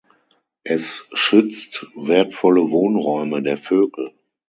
Es schützt wertvolle Wohnräume der Vögel.